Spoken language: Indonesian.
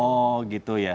oh gitu ya